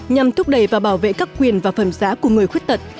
nhằm thúc đẩy và bảo vệ các quyền và phẩm giá của người khuyết tật